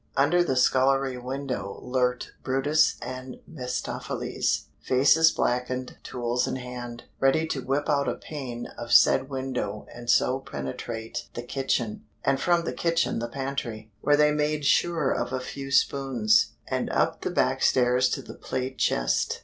Under the scullery window lurked brutus and mephistopheles faces blackened, tools in hand ready to whip out a pane of said window and so penetrate the kitchen, and from the kitchen the pantry, where they made sure of a few spoons, and up the back stairs to the plate chest.